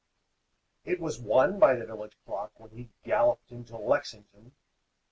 It was one by the village clock, When he galloped into Lexington.